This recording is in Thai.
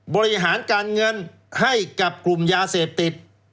บริหารการเงินให้กับกลุ่มยาเสพติด